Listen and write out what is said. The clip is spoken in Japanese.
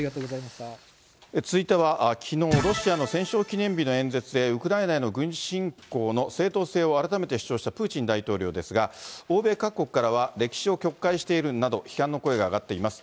続いては、きのう、ロシアの戦勝記念日の演説で、ウクライナへの軍事侵攻の正当性を改めて主張したプーチン大統領ですが、欧米各国からは、歴史を曲解しているなど、批判の声が上がっています。